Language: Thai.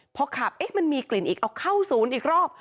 พอขับเอ๊ะมันมีกลิ่นอีกเอาเข้าศูนย์อีกรอบ